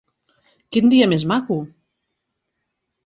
Quin dia més maco!